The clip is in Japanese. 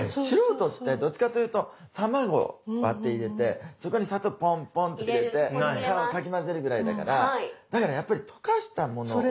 素人ってどっちかっていうと卵を割って入れてそこに砂糖をポンポンって入れてかき混ぜるぐらいだからだからやっぱり溶かしたものを。